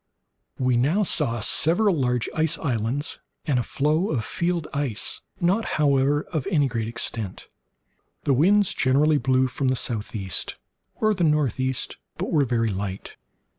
We now saw several large ice islands, and a floe of field ice, not, however, of any great extent. The winds generally blew from the southeast, or the northeast, but were very light.